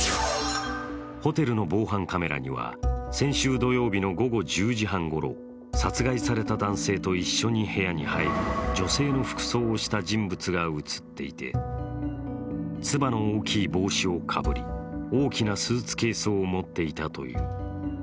ホテルの防犯カメラには先週土曜日の午後１０時半ごろ、殺害された男性と一緒に部屋に入る女性の服装をした人物が映っていてつばの大きい帽子をかぶり大きなスーツケースを持っていたという。